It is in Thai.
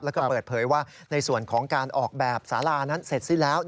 แล้วก็เปิดเผยว่าในส่วนของการออกแบบสารานั้นเสร็จสิ้นแล้ว